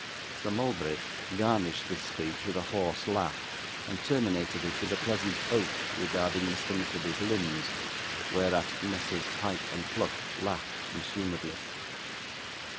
Sir Mulberry garnished this speech with a hoarse laugh, and terminated it with a pleasant oath regarding Mr. Nickleby's limbs, whereat Messrs Pyke and Pluck laughed consumedly.